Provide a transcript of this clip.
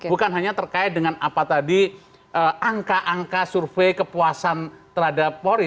bukan hanya terkait dengan apa tadi angka angka survei kepuasan terhadap polri